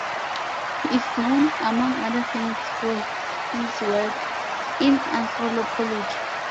He is known, among other things, for his work in anthropology.